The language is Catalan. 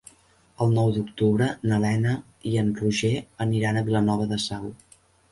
El nou d'octubre na Lena i en Roger aniran a Vilanova de Sau.